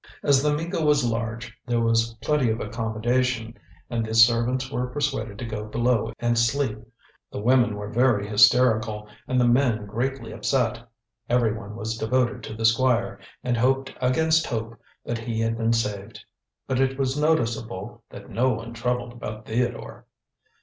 As The Miko was large, there was plenty of accommodation, and the servants were persuaded to go below and sleep. The women were very hysterical, and the men greatly upset. Everyone was devoted to the Squire, and hoped against hope that he had been saved. But it was noticeable that no one troubled about Theodore.